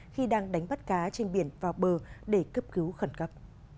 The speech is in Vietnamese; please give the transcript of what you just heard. khi đang đánh bắt cá trên biển vào bờ để cấp cứu khẩn cấp